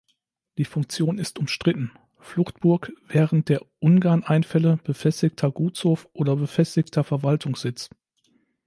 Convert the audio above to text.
Die Funktion ist umstritten: Fluchtburg während der Ungarneinfälle, befestigter Gutshof oder befestigter Verwaltungssitz.